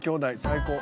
最高」